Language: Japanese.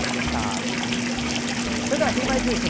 それでは「ひるまえ通信」